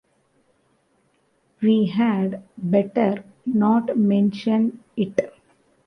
We had better not mention it.